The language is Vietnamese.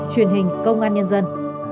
truyền hình công an nhân dân